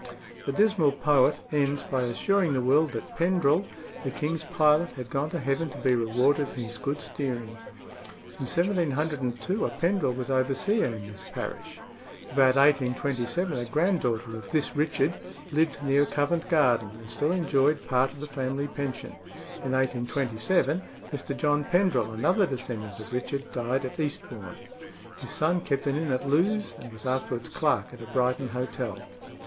The dismal poet ends by assuring the world that Pendrell, the king's pilot, had gone to heaven to be rewarded for his good steering. In 1702 a Pendrell was overseer in this parish. About 1827 a granddaughter of this Richard lived near Covent Garden, and still enjoyed part of the family pension. In 1827 Mr. John Pendrell, another descendant of Richard, died at Eastbourne. His son kept an inn at Lewes, and was afterwards clerk at a Brighton hotel.